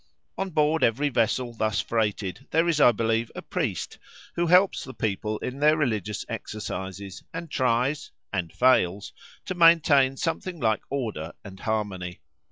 On board every vessel thus freighted there is, I believe, a priest, who helps the people in their religious exercises, and tries (and fails) to maintain something like order and harmony.